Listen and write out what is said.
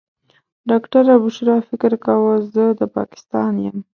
ډاکټره بشرا فکر کاوه زه د پاکستان یم.